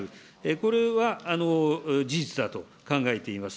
これは事実だと考えています。